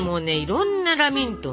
いろんなラミントン